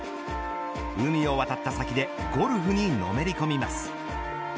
海を渡った先でゴルフにのめりこみます。